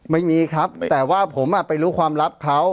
ไม่มีครับแต่ว่าผมไปรู้ความลับเขา